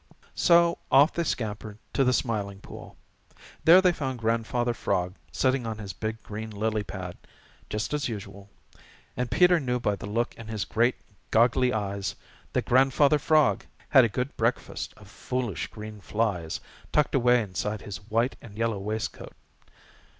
So off they scampered to the Smiling Pool. There they found Grandfather Frog sitting on his big green lily pad just as usual, and Peter knew by the look in his great, goggly eyes that Grandfather Frog had a good breakfast of foolish green flies tucked away inside his white and yellow waistcoat.